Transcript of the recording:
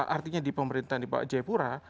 artinya di pemerintahan di jaya pura